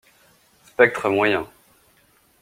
Spectre moyen.